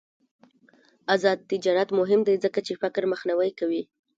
آزاد تجارت مهم دی ځکه چې فقر مخنیوی کوي.